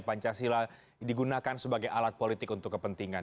pancasila digunakan sebagai alat politik untuk kepentingan